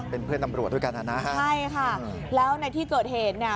เป็นเพื่อนตำรวจด้วยกันนะฮะใช่ค่ะแล้วในที่เกิดเหตุเนี่ย